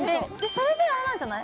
それであれなんじゃない？